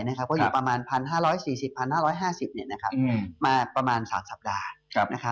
ก็อยู่ประมาณ๑๕๔๐๑๕๕๐มาประมาณ๓สัปดาห์